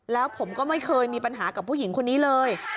แล้วผมก็ไม่เคยมีปัญหากับผู้หญิงคนนี้เลย